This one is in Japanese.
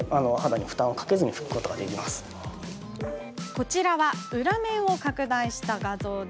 こちらは、裏面を拡大した画像。